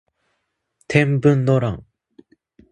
天文の乱